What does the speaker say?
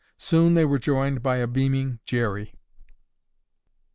Soon they were joined by a beaming Jerry.